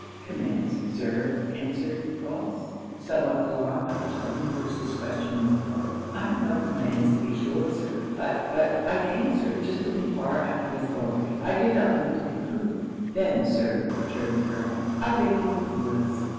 'Commands, Sir,' answered Crofts, somewhat alarmed by the tone in which this question was put 'I have no commands to be sure Sir but, but, I came Sir, just to enquire after Miss Mowbray. I did not mean to intrude.' 'Then, Sir,' returned the Colonel, 'I beg you will leave us.'